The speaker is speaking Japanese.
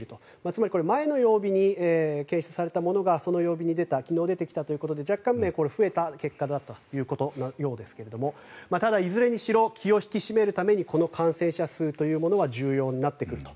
つまりこれは前の曜日に提出されたものが昨日出てきたということで若干名増えたという結果だったというようですがただ、いずれにしろ気を引き締めるためにこの感染者数というのは重要になってくると。